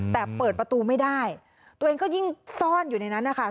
แต่เปิดประตูไม่ได้ตัวเองก็ยิ่งซ่อนอยู่ในนั้นนะคะ